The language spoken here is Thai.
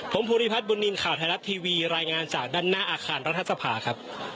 ผมภูริพัฒนบุญนินทร์ข่าวไทยรัฐทีวีรายงานจากด้านหน้าอาคารรัฐสภาครับ